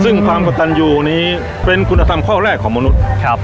ซึ่งความกระตันยูนี้เป็นคุณธรรมข้อแรกของมนุษย์